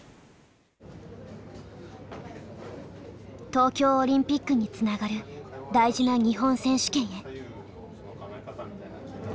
東京オリンピックにつながる大事な日本選手権へ。